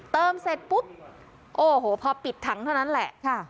เติมเสร็จปุ๊บโอ้โหพอปิดถังเท่านั้นแหละ